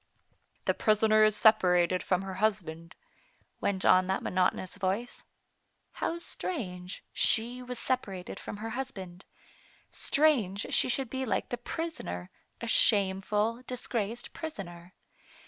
" The prisoner is separated from her husband," went on that monotonous voice. How strange, sAe was separated from her husband ; strange she should be like the prisoner^ a shameful, disgraced prisoner.